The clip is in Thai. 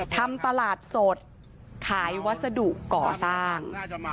ทำตลาดสดขายวัสดุก่อสร้าง